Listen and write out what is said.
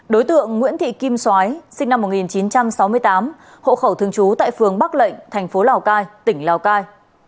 đối tượng nguyễn thị kim xoái sinh năm một nghìn chín trăm sáu mươi tám hộ khẩu thương chú tại phường bắc lệnh tp lào cai tỉnh lào cai